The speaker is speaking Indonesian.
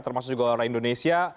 termasuk juga orang indonesia